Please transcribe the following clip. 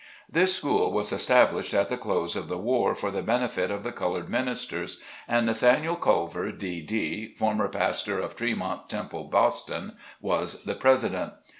This school was established at the close of the 78 SLAVE CABIN TO PULPIT. war for the benefit of the colored ministers, and Nathaniel Colver, D. D., former pastor of Tremont Temple, Boston, was the President.